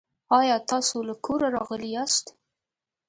آیا تاسو له کوره راغلي یاست؟